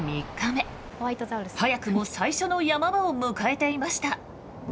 早くも最初の山場を迎えていました。